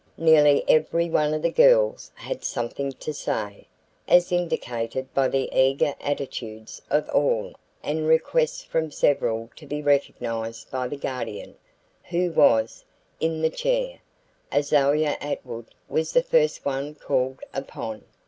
Nearly every one of the girls had something to say, as indicated by the eager attitudes of all and requests from several to be recognized by the Guardian, who was "in the chair." Azalia Atwood was the first one called upon.